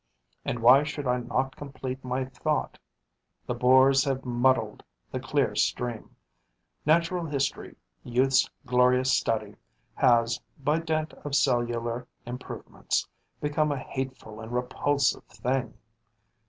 And why should I not complete my thought: the boars have muddied the clear stream; natural history, youth's glorious study, has, by dint of cellular improvements, become a hateful and repulsive thing.